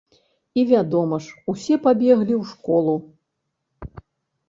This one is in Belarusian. І вядома ж, усе пабеглі ў школу.